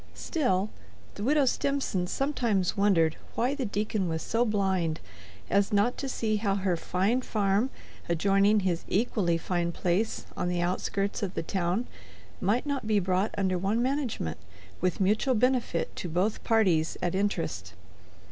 Still, the Widow Stimson sometimes wondered why the deacon was so blind as not to see how her fine farm adjoining his equally fine place on the outskirts of the town might not be brought under one management with mutual benefit to both parties at interest.